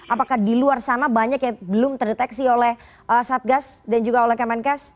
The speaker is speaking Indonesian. apakah di luar sana banyak yang belum terdeteksi oleh satgas dan juga oleh kemenkes